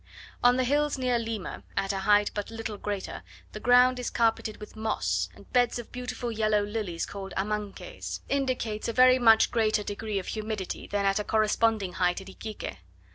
On the hills near Lima, at a height but little greater, the ground is carpeted with moss, and beds of beautiful yellow lilies, called Amancaes. This indicates a very much greater degree of humidity, than at a corresponding height at Iquique.